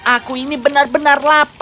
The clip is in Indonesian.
aku ini benar benar lapar